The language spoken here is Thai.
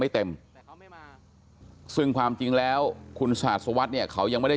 เต็มซึ่งความจริงแล้วคุณสหัสวัสดิ์เนี่ยเขายังไม่ได้